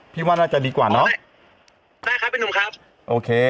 ว่าน่าจะดีกว่าเนอะได้ครับพี่หนุ่มครับโอเค